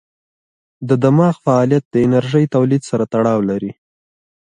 د دماغ فعالیت د انرژۍ تولید سره تړاو لري.